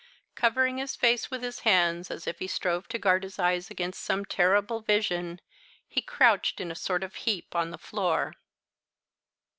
Covering his face with his hands, as if he strove to guard his eyes against some terrible vision, he crouched in a sort of heap on the floor.